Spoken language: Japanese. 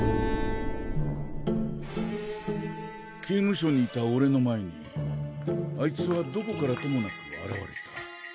刑務所にいたおれの前にあいつはどこからともなく現れた。